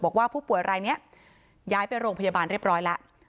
บอกว่าผู้ป่วยรายนี้ย้ายไปโรงพยาบาลเรียบร้อยแล้ว